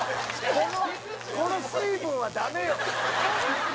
「このこの水分はダメよ」